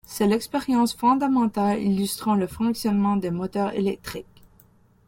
C'est l'expérience fondamentale illustrant le fonctionnement des moteurs électriques.